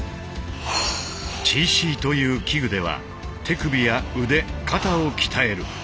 「鎚石」という器具では手首や腕肩を鍛える。